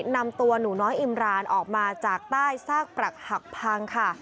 นำตัวหนูน้อยอิมรานออกมาจากใต้ซากปรักหักพังค่ะ